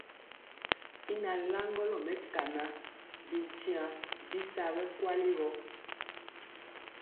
Y nalaŋgɔlɔ mɛkana bityiaŋ bisa bɛ kweli gɔ.